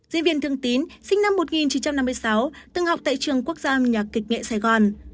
diễn viên thương tín sinh năm một nghìn chín trăm năm mươi sáu từng học tại trường quốc gia âm nhạc kịch nghệ sài gòn